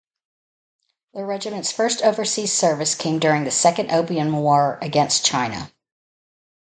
The regiment's first overseas service came during the Second Opium War against China.